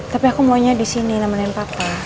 tapi aku maunya disini nemenin papa